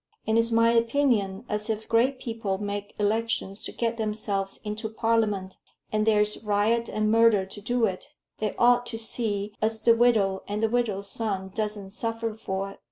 And it's my opinion as if great people make elections to get themselves into Parliament, and there's riot and murder to do it, they ought to see as the widow and the widow's son doesn't suffer for it.